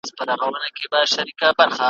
اوښکي څاڅي په هر دمه